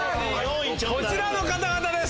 こちらの方々です！